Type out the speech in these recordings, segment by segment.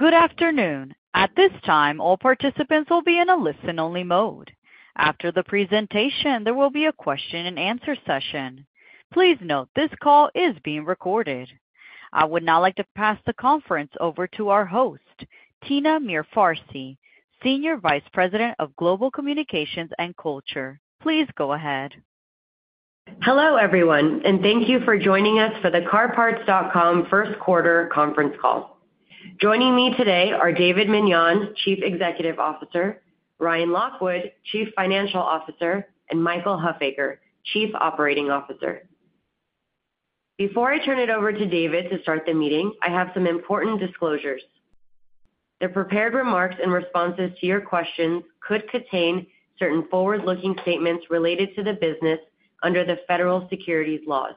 Good afternoon. At this time, all participants will be in a listen-only mode. After the presentation, there will be a question and answer session. Please note, this call is being recorded. I would now like to pass the conference over to our host, Tina Mirfarsi, Senior Vice President of Global Communications and Culture. Please go ahead. Hello, everyone, and thank you for joining us for the CarParts.com first quarter conference call. Joining me today are David Meniane, Chief Executive Officer; Ryan Lockwood, Chief Financial Officer; and Michael Huffaker, Chief Operating Officer. Before I turn it over to David to start the meeting, I have some important disclosures. The prepared remarks and responses to your questions could contain certain forward-looking statements related to the business under the federal securities laws.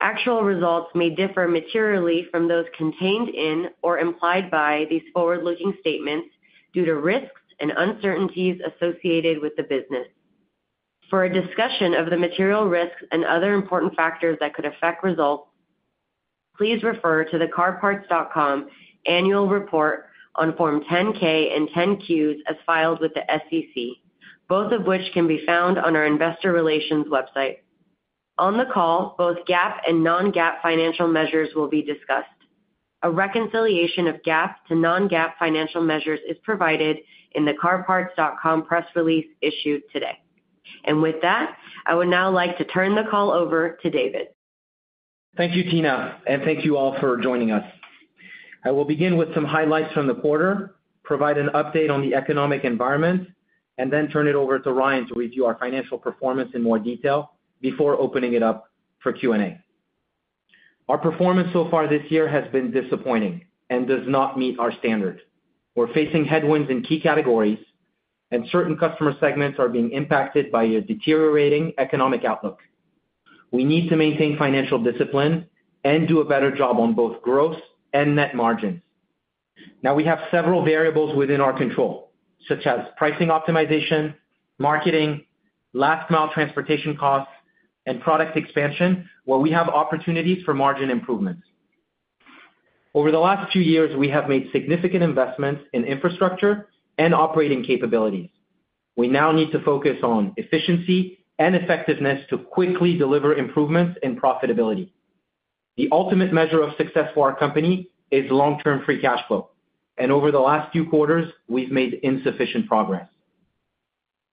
Actual results may differ materially from those contained in or implied by these forward-looking statements due to risks and uncertainties associated with the business. For a discussion of the material risks and other important factors that could affect results, please refer to the CarParts.com annual report on Form 10-K and 10-Qs as filed with the SEC, both of which can be found on our investor relations website. On the call, both GAAP and non-GAAP financial measures will be discussed. A reconciliation of GAAP to non-GAAP financial measures is provided in the CarParts.com press release issued today. With that, I would now like to turn the call over to David. Thank you, Tina, and thank you all for joining us. I will begin with some highlights from the quarter, provide an update on the economic environment, and then turn it over to Ryan to review our financial performance in more detail before opening it up for Q&A. Our performance so far this year has been disappointing and does not meet our standards. We're facing headwinds in key categories, and certain customer segments are being impacted by a deteriorating economic outlook. We need to maintain financial discipline and do a better job on both gross and net margins. Now, we have several variables within our control, such as pricing optimization, marketing, last-mile transportation costs, and product expansion, where we have opportunities for margin improvements. Over the last two years, we have made significant investments in infrastructure and operating capabilities. We now need to focus on efficiency and effectiveness to quickly deliver improvements in profitability. The ultimate measure of success for our company is long-term free cash flow, and over the last few quarters, we've made insufficient progress.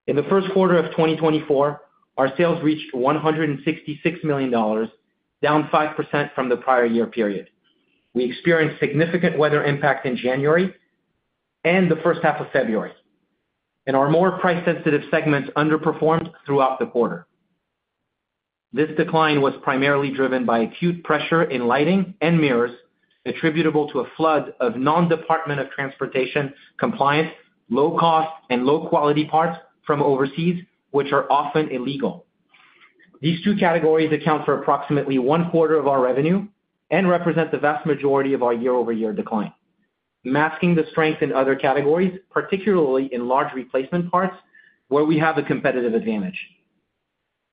In the first quarter of 2024, our sales reached $166 million, down 5% from the prior year period. We experienced significant weather impact in January and the first half of February, and our more price-sensitive segments underperformed throughout the quarter. This decline was primarily driven by acute pressure in lighting and mirrors, attributable to a flood of non-Department of Transportation-compliant, low-cost, and low-quality parts from overseas, which are often illegal. These two categories account for approximately one quarter of our revenue and represent the vast majority of our year-over-year decline, masking the strength in other categories, particularly in large replacement parts, where we have a competitive advantage.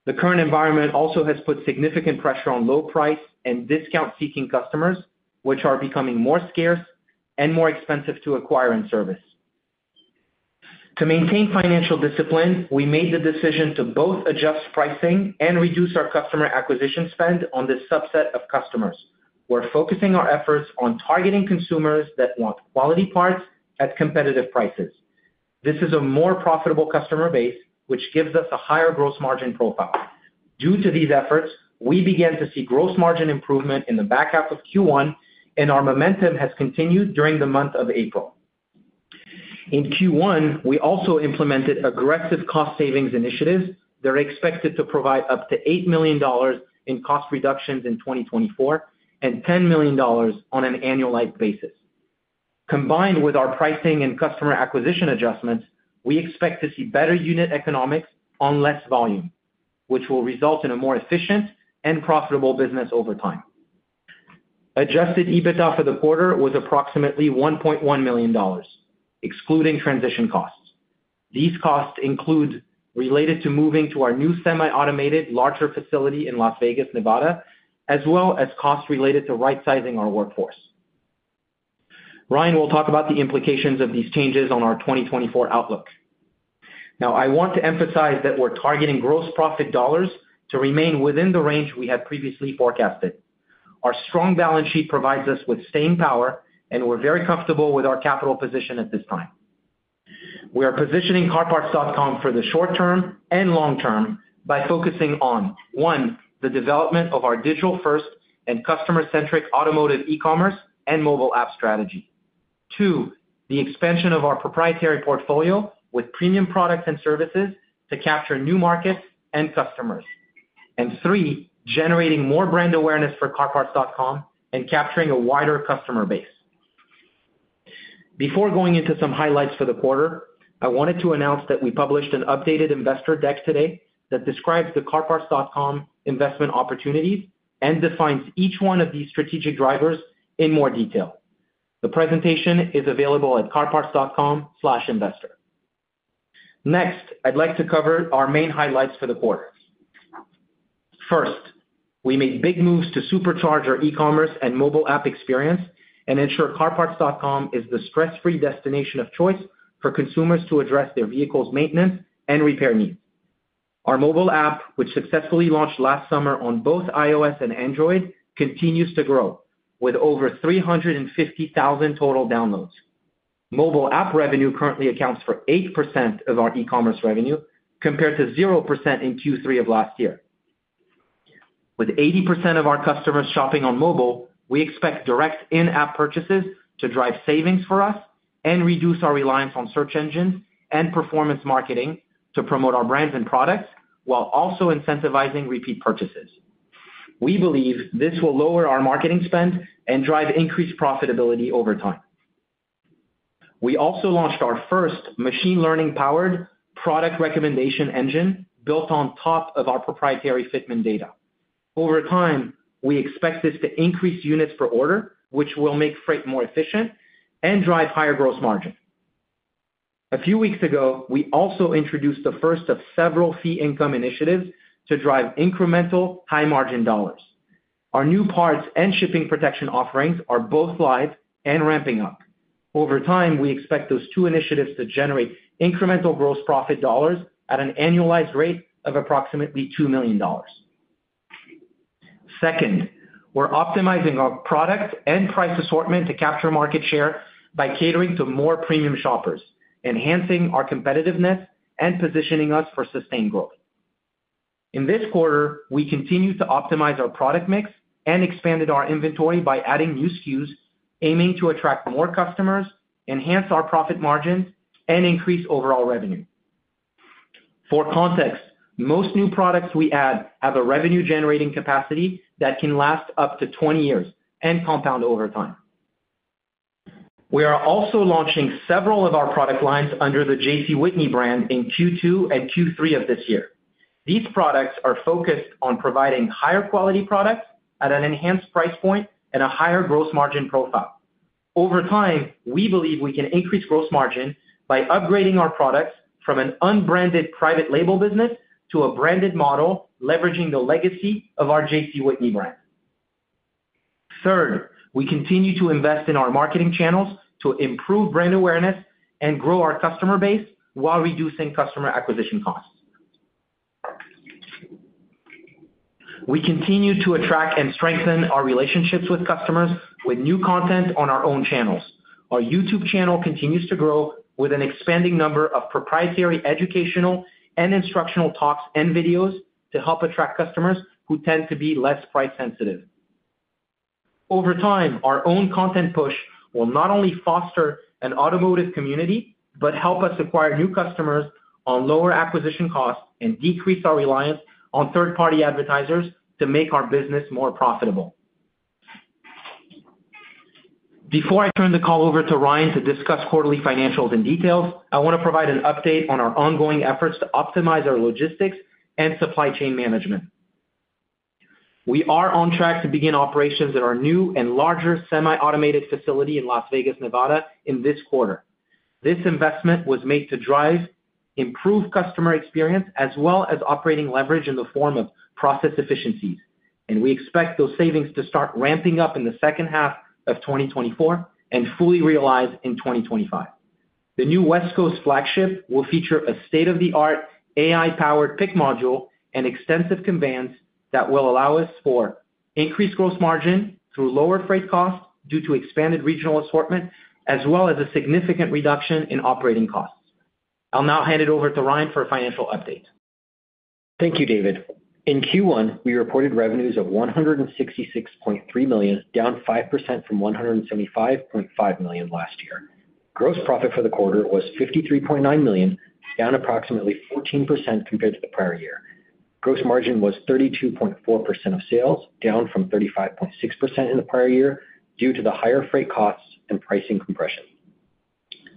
The current environment also has put significant pressure on low price and discount-seeking customers, which are becoming more scarce and more expensive to acquire and service. To maintain financial discipline, we made the decision to both adjust pricing and reduce our customer acquisition spend on this subset of customers. We're focusing our efforts on targeting consumers that want quality parts at competitive prices. This is a more profitable customer base, which gives us a higher gross margin profile. Due to these efforts, we began to see gross margin improvement in the back half of Q1, and our momentum has continued during the month of April. In Q1, we also implemented aggressive cost savings initiatives that are expected to provide up to $8 million in cost reductions in 2024, and $10 million on an annualized basis. Combined with our pricing and customer acquisition adjustments, we expect to see better unit economics on less volume, which will result in a more efficient and profitable business over time. Adjusted EBITDA for the quarter was approximately $1.1 million, excluding transition costs. These costs include related to moving to our new semi-automated, larger facility in Las Vegas, Nevada, as well as costs related to right-sizing our workforce. Ryan will talk about the implications of these changes on our 2024 outlook. Now, I want to emphasize that we're targeting gross profit dollars to remain within the range we had previously forecasted. Our strong balance sheet provides us with staying power, and we're very comfortable with our capital position at this time. We are positioning CarParts.com for the short term and long term by focusing on, one, the development of our digital-first and customer-centric automotive e-commerce and mobile app strategy. Two, the expansion of our proprietary portfolio with premium products and services to capture new markets and customers. And three, generating more brand awareness for CarParts.com and capturing a wider customer base. Before going into some highlights for the quarter, I wanted to announce that we published an updated investor deck today that describes the CarParts.com investment opportunity and defines each one of these strategic drivers in more detail. The presentation is available at CarParts.com/investor. Next, I'd like to cover our main highlights for the quarter.... First, we made big moves to supercharge our e-commerce and mobile app experience and ensure CarParts.com is the stress-free destination of choice for consumers to address their vehicle's maintenance and repair needs. Our mobile app, which successfully launched last summer on both iOS and Android, continues to grow, with over 350,000 total downloads. Mobile app revenue currently accounts for 8% of our e-commerce revenue, compared to 0% in Q3 of last year. With 80% of our customers shopping on mobile, we expect direct in-app purchases to drive savings for us and reduce our reliance on search engines and performance marketing to promote our brands and products, while also incentivizing repeat purchases. We believe this will lower our marketing spend and drive increased profitability over time. We also launched our first machine learning-powered product recommendation engine, built on top of our proprietary fitment data. Over time, we expect this to increase units per order, which will make freight more efficient and drive higher gross margin. A few weeks ago, we also introduced the first of several fee income initiatives to drive incremental high-margin dollars. Our new parts and shipping protection offerings are both live and ramping up. Over time, we expect those two initiatives to generate incremental gross profit dollars at an annualized rate of approximately $2 million. Second, we're optimizing our product and price assortment to capture market share by catering to more premium shoppers, enhancing our competitiveness and positioning us for sustained growth. In this quarter, we continued to optimize our product mix and expanded our inventory by adding new SKUs, aiming to attract more customers, enhance our profit margins, and increase overall revenue. For context, most new products we add have a revenue-generating capacity that can last up to 20 years and compound over time. We are also launching several of our product lines under the JC Whitney brand in Q2 and Q3 of this year. These products are focused on providing higher quality products at an enhanced price point and a higher gross margin profile. Over time, we believe we can increase gross margin by upgrading our products from an unbranded private label business to a branded model, leveraging the legacy of our JC Whitney brand. Third, we continue to invest in our marketing channels to improve brand awareness and grow our customer base while reducing customer acquisition costs. We continue to attract and strengthen our relationships with customers with new content on our own channels. Our YouTube channel continues to grow with an expanding number of proprietary educational and instructional talks and videos to help attract customers who tend to be less price sensitive. Over time, our own content push will not only foster an automotive community, but help us acquire new customers on lower acquisition costs and decrease our reliance on third-party advertisers to make our business more profitable. Before I turn the call over to Ryan to discuss quarterly financials in detail, I want to provide an update on our ongoing efforts to optimize our logistics and supply chain management. We are on track to begin operations at our new and larger semi-automated facility in Las Vegas, Nevada, in this quarter. This investment was made to drive improved customer experience, as well as operating leverage in the form of process efficiencies, and we expect those savings to start ramping up in the second half of 2024 and fully realized in 2025. The new West Coast flagship will feature a state-of-the-art AI-powered pick module and extensive conveyance that will allow us for increased gross margin through lower freight costs due to expanded regional assortment, as well as a significant reduction in operating costs. I'll now hand it over to Ryan for a financial update. Thank you, David. In Q1, we reported revenues of $166.3 million, down 5% from $175.5 million last year. Gross profit for the quarter was $53.9 million, down approximately 14% compared to the prior year. Gross margin was 32.4% of sales, down from 35.6% in the prior year due to the higher freight costs and pricing compression.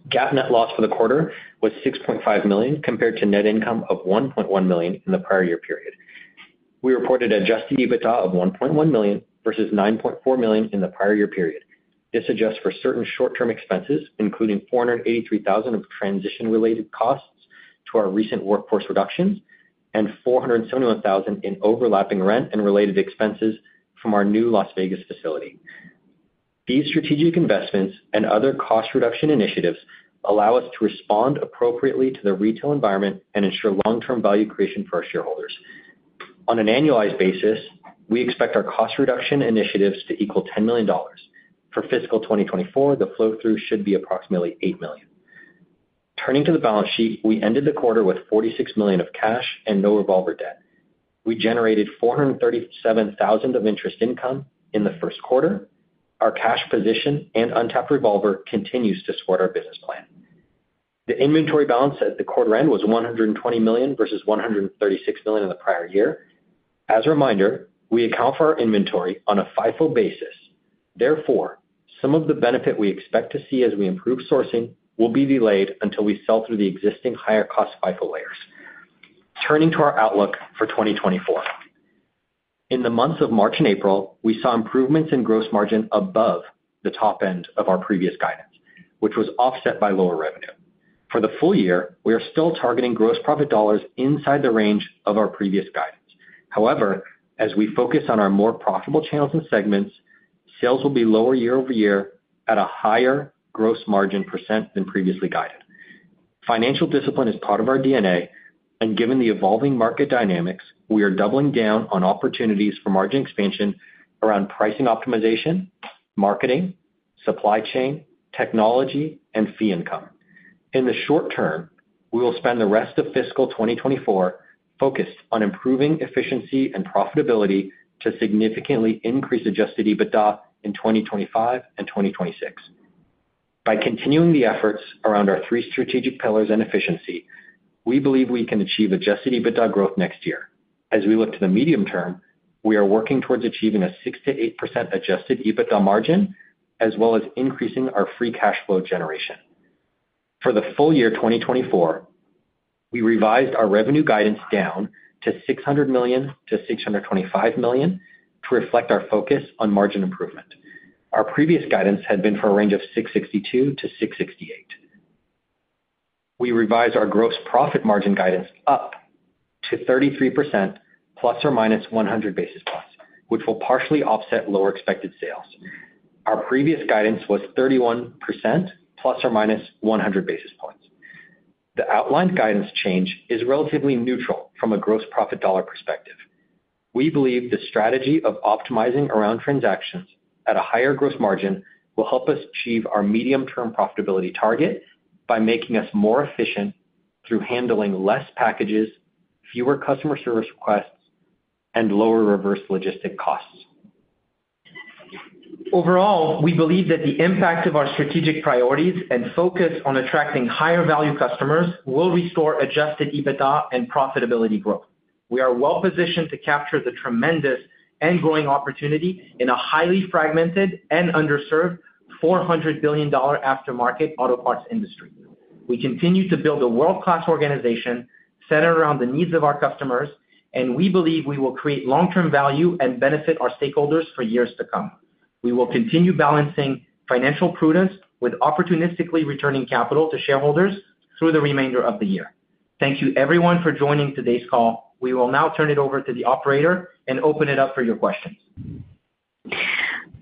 GAAP net loss for the quarter was $6.5 million, compared to net income of $1.1 million in the prior year period. We reported Adjusted EBITDA of $1.1 million versus $9.4 million in the prior year period. This adjusts for certain short-term expenses, including $483,000 of transition-related costs to our recent workforce reductions and $471,000 in overlapping rent and related expenses from our new Las Vegas facility. These strategic investments and other cost reduction initiatives allow us to respond appropriately to the retail environment and ensure long-term value creation for our shareholders. On an annualized basis, we expect our cost reduction initiatives to equal $10 million. For fiscal 2024, the flow-through should be approximately $8 million. Turning to the balance sheet, we ended the quarter with $46 million of cash and no revolver debt. We generated $437,000 of interest income in the first quarter. Our cash position and untapped revolver continues to support our business plan. The inventory balance at the quarter end was $120 million versus $136 million in the prior year. As a reminder, we account for our inventory on a FIFO basis. Therefore, some of the benefit we expect to see as we improve sourcing will be delayed until we sell through the existing higher-cost FIFO layers. Turning to our outlook for 2024. In the months of March and April, we saw improvements in gross margin above the top end of our previous guidance, which was offset by lower revenue. For the full year, we are still targeting gross profit dollars inside the range of our previous guidance. However, as we focus on our more profitable channels and segments, sales will be lower year-over-year at a higher gross margin % than previously guided. Financial discipline is part of our DNA, and given the evolving market dynamics, we are doubling down on opportunities for margin expansion around pricing optimization, marketing, supply chain, technology, and fee income. In the short term, we will spend the rest of fiscal 2024 focused on improving efficiency and profitability to significantly increase Adjusted EBITDA in 2025 and 2026. By continuing the efforts around our three strategic pillars and efficiency, we believe we can achieve Adjusted EBITDA growth next year. As we look to the medium term, we are working towards achieving a 6%-8% Adjusted EBITDA margin, as well as increasing our free cash flow generation. For the full year 2024, we revised our revenue guidance down to $600 million-$625 million to reflect our focus on margin improvement. Our previous guidance had been for a range of 662-668. We revised our gross profit margin guidance up to 33% ±100 basis points, which will partially offset lower expected sales. Our previous guidance was 31% ±100 basis points. The outlined guidance change is relatively neutral from a gross profit dollar perspective. We believe the strategy of optimizing around transactions at a higher gross margin will help us achieve our medium-term profitability target by making us more efficient through handling less packages, fewer customer service requests, and lower reverse logistic costs. Overall, we believe that the impact of our strategic priorities and focus on attracting higher value customers will restore Adjusted EBITDA and profitability growth. We are well positioned to capture the tremendous and growing opportunity in a highly fragmented and underserved $400 billion aftermarket auto parts industry. We continue to build a world-class organization centered around the needs of our customers, and we believe we will create long-term value and benefit our stakeholders for years to come. We will continue balancing financial prudence with opportunistically returning capital to shareholders through the remainder of the year. Thank you everyone for joining today's call. We will now turn it over to the operator and open it up for your questions.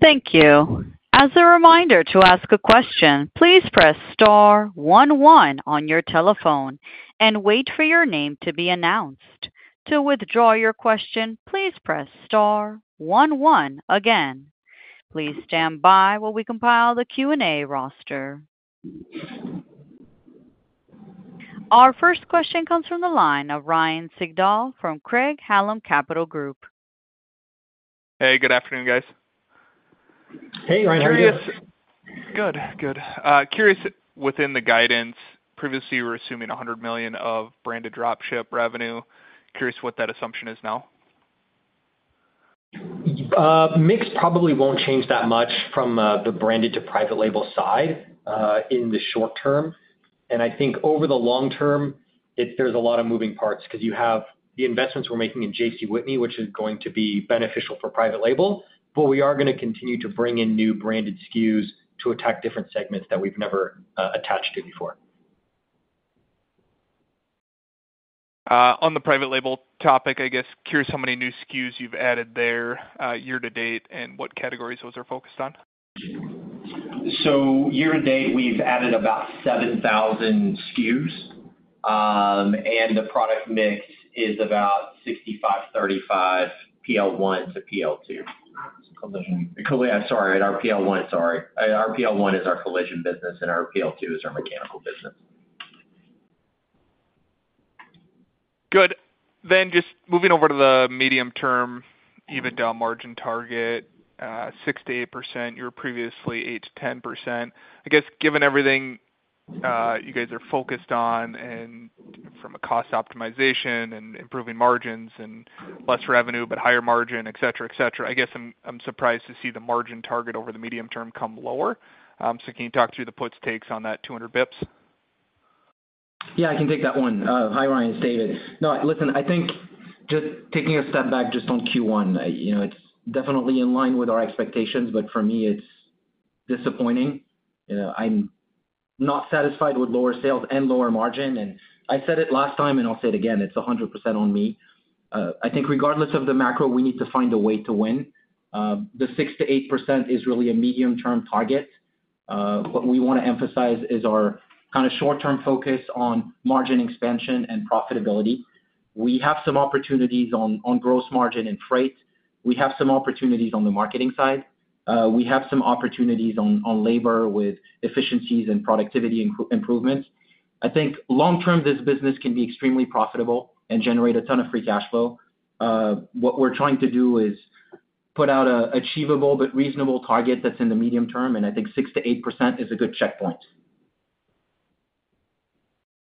Thank you. As a reminder, to ask a question, please press star one one on your telephone and wait for your name to be announced. To withdraw your question, please press star one one again. Please stand by while we compile the Q&A roster. Our first question comes from the line of Ryan Sigdahl from Craig-Hallum Capital Group. Hey, good afternoon, guys. Hey, Ryan. How are you? Good. Good. Curious, within the guidance, previously, we were assuming $100 million of branded drop ship revenue. Curious what that assumption is now? Mix probably won't change that much from the branded to private label side in the short term. I think over the long term, there's a lot of moving parts because you have the investments we're making in JC Whitney, which is going to be beneficial for private label, but we are gonna continue to bring in new branded SKUs to attack different segments that we've never attached to before. On the private label topic, I guess, curious how many new SKUs you've added there, year to date and what categories those are focused on? Year to date, we've added about 7,000 SKUs, and the product mix is about 65-35, PL 1 to PL 2. Collision. I'm sorry, our PL 1 is our collision business, and our PL 2 is our mechanical business. Good. Then just moving over to the medium term, EBITDA margin target, 6%-8%, you were previously 8%-10%. I guess, given everything, you guys are focused on and from a cost optimization and improving margins and less revenue, but higher margin, et cetera, et cetera, I guess I'm, I'm surprised to see the margin target over the medium term come lower. So can you talk through the puts, takes on that 200 basis points? Yeah, I can take that one. Hi, Ryan, it's David. No, listen, I think just taking a step back just on Q1, you know, it's definitely in line with our expectations, but for me, it's disappointing. I'm not satisfied with lower sales and lower margin, and I said it last time, and I'll say it again, it's 100% on me. I think regardless of the macro, we need to find a way to win. The six to eight percent is really a medium-term target. What we wanna emphasize is our kinda short-term focus on margin expansion and profitability. We have some opportunities on gross margin and freight. We have some opportunities on the marketing side. We have some opportunities on labor with efficiencies and productivity improvements. I think long term, this business can be extremely profitable and generate a ton of free cash flow. What we're trying to do is put out an achievable but reasonable target that's in the medium term, and I think 6%-8% is a good checkpoint.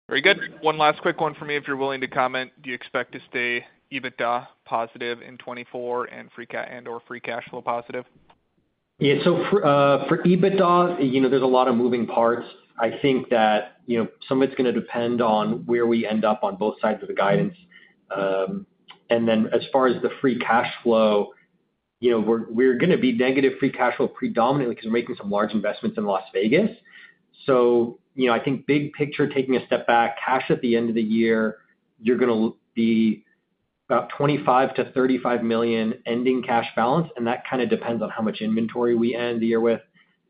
Very good. One last quick one for me, if you're willing to comment. Do you expect to stay EBITDA positive in 2024 and free cash and/or free cash flow positive? Yeah, so for EBITDA, you know, there's a lot of moving parts. I think that, you know, some of it's gonna depend on where we end up on both sides of the guidance. And then as far as the free cash flow... you know, we're gonna be negative free cash flow predominantly, because we're making some large investments in Las Vegas. So, you know, I think big picture, taking a step back, cash at the end of the year, you're gonna be about $25 million-$35 million ending cash balance, and that kind of depends on how much inventory we end the year with.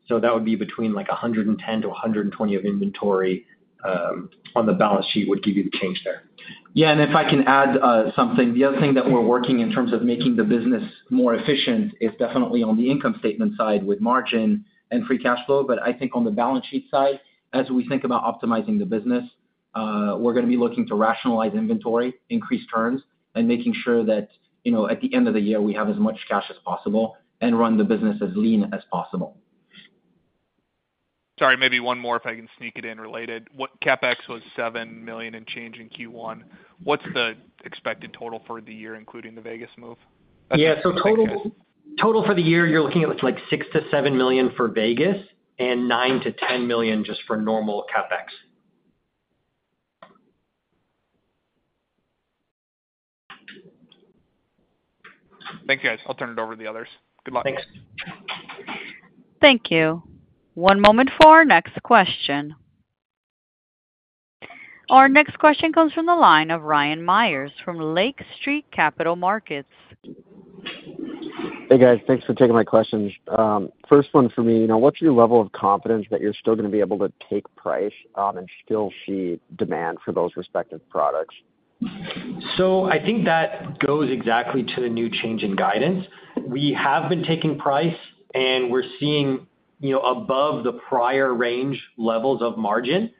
So that would be between, like, $110 million-$120 million of inventory on the balance sheet would give you the change there. Yeah, and if I can add, something. The other thing that we're working in terms of making the business more efficient is definitely on the income statement side with margin and free cash flow. But I think on the balance sheet side, as we think about optimizing the business, we're gonna be looking to rationalize inventory, increase turns, and making sure that, you know, at the end of the year, we have as much cash as possible and run the business as lean as possible. Sorry, maybe one more, if I can sneak it in related. What... CapEx was $7 million and change in Q1. What's the expected total for the year, including the Vegas move? Yeah, so total, total for the year, you're looking at, like, $6 million-$7 million for Vegas and $9 million-$10 million just for normal CapEx. Thanks, guys. I'll turn it over to the others. Good luck. Thanks. Thank you. One moment for our next question. Our next question comes from the line of Ryan Meyers from Lake Street Capital Markets. Hey, guys. Thanks for taking my questions. First one for me, now, what's your level of confidence that you're still gonna be able to take price, and still see demand for those respective products? So I think that goes exactly to the new change in guidance. We have been taking price, and we're seeing, you know, above the prior range levels of margin,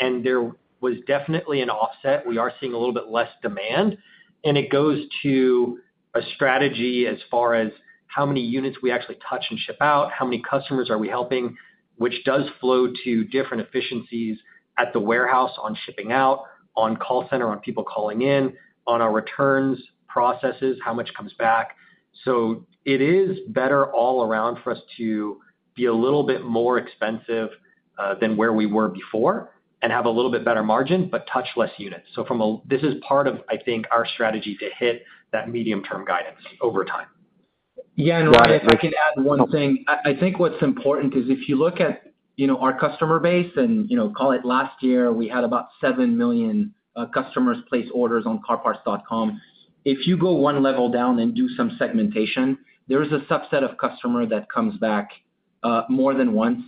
and there was definitely an offset. We are seeing a little bit less demand, and it goes to a strategy as far as how many units we actually touch and ship out, how many customers are we helping, which does flow to different efficiencies at the warehouse on shipping out, on call center, on people calling in, on our returns processes, how much comes back. So it is better all around for us to be a little bit more expensive than where we were before and have a little bit better margin, but touch less units. So from a... This is part of, I think, our strategy to hit that medium-term guidance over time. Got it- Yeah, and if I could add one thing. I think what's important is if you look at, you know, our customer base and, you know, call it last year, we had about 7 million customers place orders on CarParts.com. If you go one level down and do some segmentation, there is a subset of customer that comes back more than once,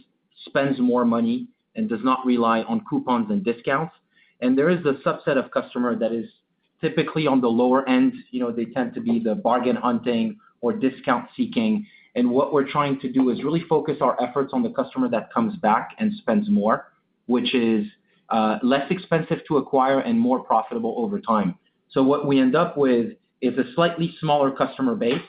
spends more money, and does not rely on coupons and discounts. And there is a subset of customer that is typically on the lower end, you know, they tend to be the bargain hunting or discount seeking. And what we're trying to do is really focus our efforts on the customer that comes back and spends more, which is less expensive to acquire and more profitable over time. So what we end up with is a slightly smaller customer base,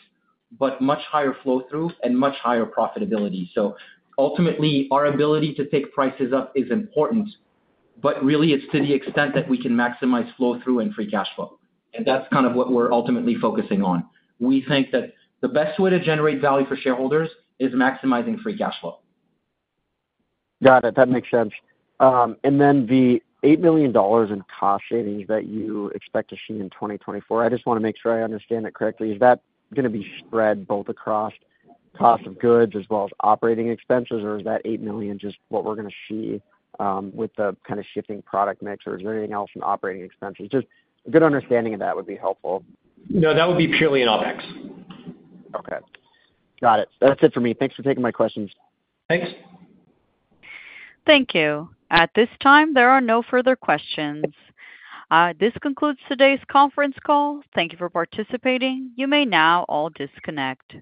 but much higher flow through and much higher profitability. So ultimately, our ability to take prices up is important, but really it's to the extent that we can maximize flow through and free cash flow, and that's kind of what we're ultimately focusing on. We think that the best way to generate value for shareholders is maximizing free cash flow. Got it. That makes sense. And then the $8 million in cost savings that you expect to see in 2024, I just wanna make sure I understand that correctly. Is that gonna be spread both across cost of goods as well as operating expenses, or is that $8 million just what we're gonna see, with the kind of shifting product mix, or is there anything else in operating expenses? Just a good understanding of that would be helpful. No, that would be purely in OpEx. Okay. Got it. That's it for me. Thanks for taking my questions. Thanks. Thank you. At this time, there are no further questions. This concludes today's conference call. Thank you for participating. You may now all disconnect.